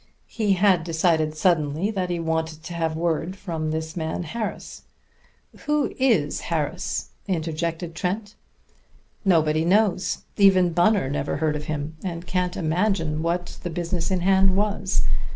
He had decided suddenly that he wanted to have word from this man Harris " "Who is Harris?" interjected Trent. "Nobody knows. Even Bunner never heard of him, and can't imagine what the business in hand was.